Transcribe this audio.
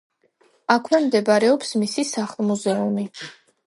აქვე მდებარეობს მისი სახლ-მუზეუმი.